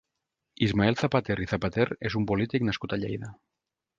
Ismael Zapater i Zapater és un polític nascut a Lleida.